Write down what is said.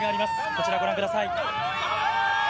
こちら、ご覧ください。